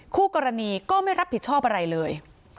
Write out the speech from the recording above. คู่กรณีก็ไม่รับผิดชอบอะไรเลย